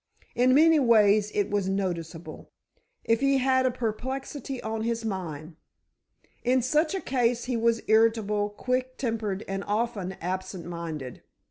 In many ways it was noticeable, if he had a perplexity on his mind. In such a case he was irritable, quick tempered, and often absent minded.